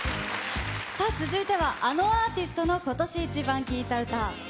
さあ、続いては、あのアーティストの今年イチバン聴いた歌。